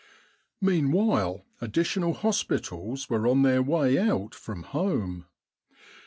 Meanwhile additional hospitals were on their way out from home. No.